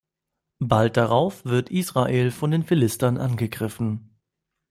Bald darauf wird Israel von den Philistern angegriffen.